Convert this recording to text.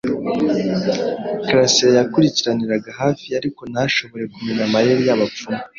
karasira yakurikiraniraga hafi, ariko ntashobora kumenya amayeri y'abapfumu.